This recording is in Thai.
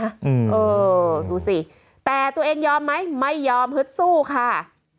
เออดูสิแต่ตัวเองยอมไหมไม่ยอมฮึดสู้ค่ะ